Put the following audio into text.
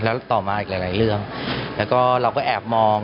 แล้วต่อมาอีกหลายเรื่องแล้วก็เราก็แอบมอง